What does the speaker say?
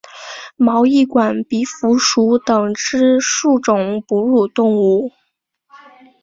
毛翼管鼻蝠属等之数种哺乳动物。